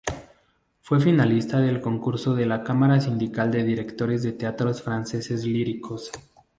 Fue finalista del concurso de la Cámara Sindical de Directores de Teatros Franceses líricos.